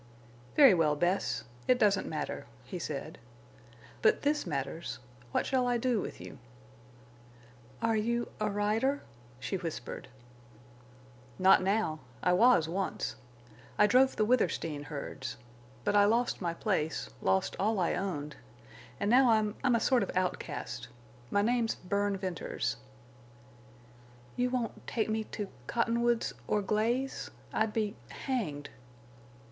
"Very well, Bess. It doesn't matter," he said. "But this matters—what shall I do with you?" "Are—you—a rider?" she whispered. "Not now. I was once. I drove the Withersteen herds. But I lost my place—lost all I owned—and now I'm—I'm a sort of outcast. My name's Bern Venters." "You won't—take me—to Cottonwoods—or Glaze? I'd be—hanged."